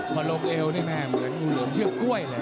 พอลงเอวนี่แม่เหมือนงูเหลือมเชือกกล้วยเลย